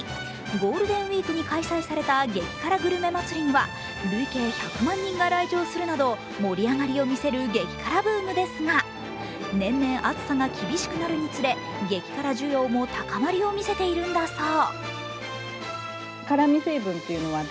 ゴールデンウイークに開催された激辛グルメ祭りには累計１００万人が来場するなど盛り上がりを見せる激辛ブームですが、年々暑さが厳しくなるにつれ激辛需要も高まりを見せているんだそう。